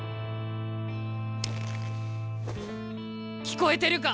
聞こえてるか？